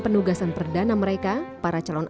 penugasan perdana mereka para calon